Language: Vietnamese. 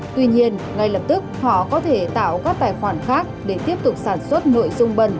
tuy nhiên ngay lập tức họ có thể tạo các tài khoản khác để tiếp tục sản xuất nội dung bẩn